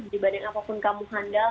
dibanding apapun kamu handal